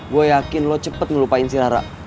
gue yakin kamu cepat ngelupain si lara